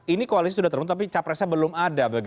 ini koalisi sudah terbentuk tapi capresnya belum ada